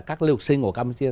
các lưu sinh của campuchia